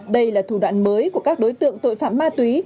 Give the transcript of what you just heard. đây là thủ đoạn mới của các đối tượng tội phạm ma túy